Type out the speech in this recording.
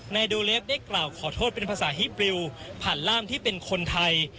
โดเลฟได้กล่าวขอโทษเป็นภาษาฮิปริวผ่านร่ามที่เป็นคนไทย